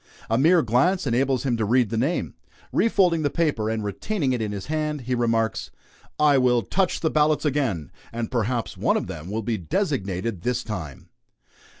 A mere glance enables him to read the name. Refolding the paper, and retaining it in his hand, he remarks: "I will touch the ballots again, and perhaps one of them will be designated this time."